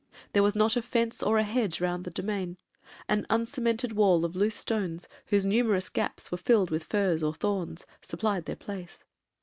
There was not a fence or a hedge round the domain: an uncemented wall of loose stones, whose numerous gaps were filled with furze or thorns, supplied their place.